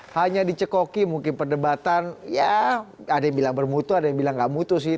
hanya dicekoki mungkin perdebatan ya ada yang bilang bermutu ada yang bilang nggak mutu sih